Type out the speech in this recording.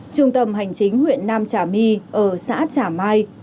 trung tâm hành chính huyện nam trà my ở xã trà mai